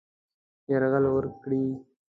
یرغل وکړي.